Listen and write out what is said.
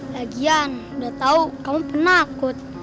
ya gian udah tau kamu penakut